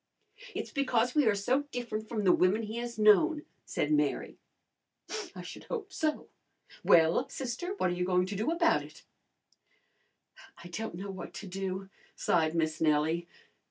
"It's because we are so different from the women he has known," said Mary. "I should hope so! Well, sister, what are you going to do about it?" "I don't know what to do," sighed Miss Nellie.